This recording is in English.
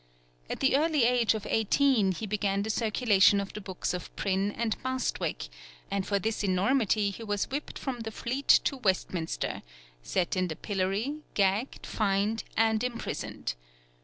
At the early age of eighteen he began the circulation of the books of Prynne and Bastwick, and for this enormity he was whipped from the Fleet to Westminster, set in the pillory, gagged, fined, and imprisoned.